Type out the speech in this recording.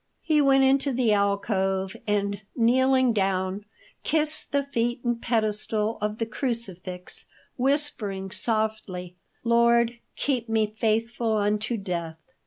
He went into the alcove, and, kneeling down, kissed the feet and pedestal of the crucifix, whispering softly: "Lord, keep me faithful unto death."